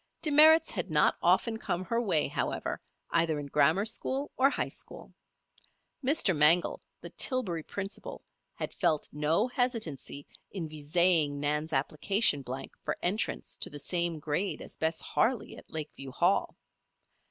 Demerits had not often come her way, however, either in grammar school or high school. Mr. Mangel, the Tillbury principal, had felt no hesitancy in viséing Nan's application blank for entrance to the same grade as Bess Harley at Lakeview Hall.